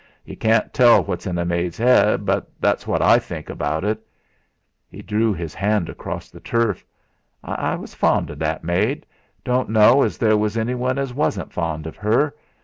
Yu can't tell what's in a maid's 'ead but that's wot I think about it." He drew his hand along the turf. "I was fond o' that maid don' know as there was anyone as wasn' fond of 'er.